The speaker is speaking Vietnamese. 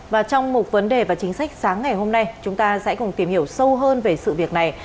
và trong mục vấn đề và chính sách sáng ngày hôm nay chúng ta sẽ cùng tìm hiểu sâu hơn về sự việc này